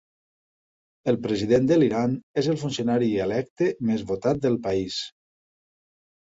El president de l"Iran és el funcionari electe més votat del país.